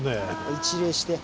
一礼して。